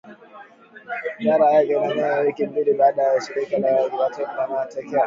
Ziara yake inajiri wiki mbili baada ya shirika la kimataifa la haki za binadamu kuwatesa mateka